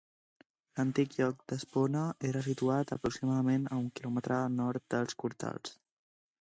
L'antic lloc d'Espona era situat aproximadament un quilòmetre al nord dels Cortals.